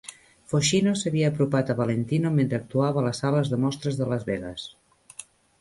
Foxino s'havia apropat a Valentino mentre actuava a les sales de mostres de Las Vegas.